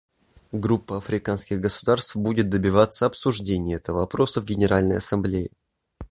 Группа африканских государств будет добиваться обсуждения этого вопроса в Генеральной Ассамблее.